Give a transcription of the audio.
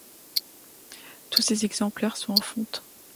Tous ces exemplaires sont en fonte.